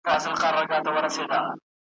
بې وسلې وو وارخطا په زړه اوتر وو `